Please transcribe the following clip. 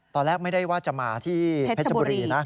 ตอนแรกไม่ได้ว่าจะมาที่เพชรบุรีนะ